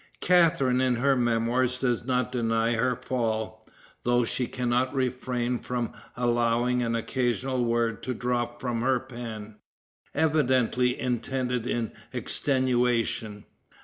Catharine in her memoirs does not deny her fall, though she can not refrain from allowing an occasional word to drop from her pen, evidently intended in extenuation.